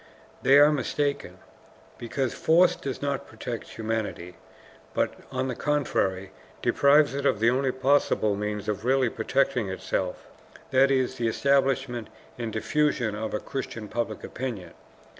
They are mistaken, because force does not protect humanity, but, on the contrary, deprives it of the only possible means of really protecting itself, that is, the establishment and diffusion of a Christian public opinion.